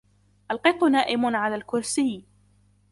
القط نائم على الكرسي.